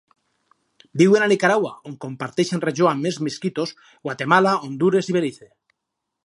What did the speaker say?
Viuen a Nicaragua –on comparteixen regió amb els miskitos–, Guatemala, Hondures i Belize.